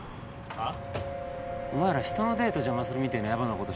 あっ？